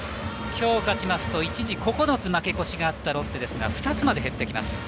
きょう勝ちますと一時９つ負け越しがあったロッテですが２つまで減ってきます。